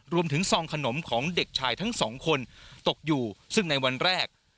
ซองขนมของเด็กชายทั้งสองคนตกอยู่ซึ่งในวันแรก